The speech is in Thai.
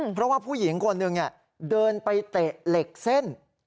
เพราะว่าผู้หญิงคนหนึ่งเดินไปเตะเหล็กเส้น